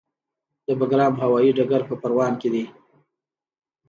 د بګرام هوايي ډګر په پروان کې دی